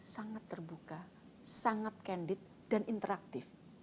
sangat terbuka sangat candid dan interaktif